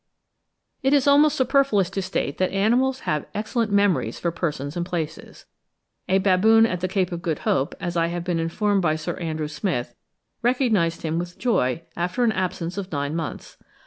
It is almost superfluous to state that animals have excellent MEMORIES for persons and places. A baboon at the Cape of Good Hope, as I have been informed by Sir Andrew Smith, recognised him with joy after an absence of nine months.